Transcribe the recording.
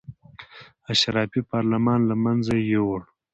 اشرافي پارلمان له منځه یې یووړ.